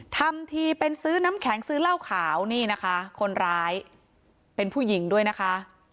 ทำทีเป็นซื้อน้ำแข็งซื้อเหล้าขาวนี่นะคะคนร้ายเป็นผู้หญิงด้วยนะคะ